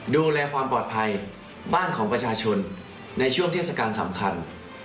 ดูแลความปลอดภัยบ้านของประชาชนในช่วงเทศกาลสำคัญ